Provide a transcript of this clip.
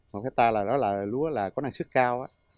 một hết ta là đó là lúa là có năng suất cao